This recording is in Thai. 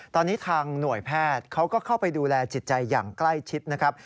ตอนนี้ทางหน่วยแพทย์เขาก็เข้าไปดูแลจิตใจอย่างใกล้ชิดนะครับ